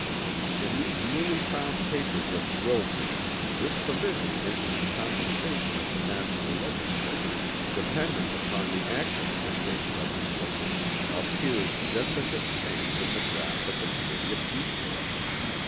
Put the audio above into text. In these newly found papers of Wilson this provision making the compensation of the national legislators dependent upon the action of the State legislators appears just as it stands in the draught of the Committee of Detail.